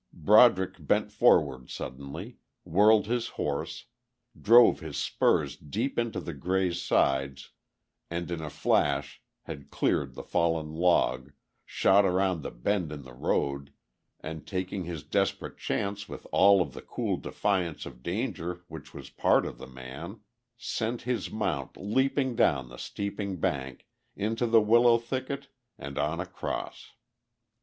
Broderick bent forward suddenly, whirled his horse, drove his spurs deep into the grey's sides and in a flash had cleared the fallen log, shot around the bend in the road and, taking his desperate chance with all of the cool defiance of danger which was a part of the man, sent his mount leaping down the steepening bank, into the willow thicket and on across.